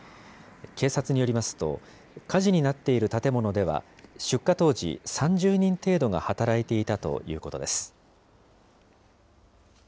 警察によりますと、火事になっている建物では、出火当時、３０人程度が働いていたということです。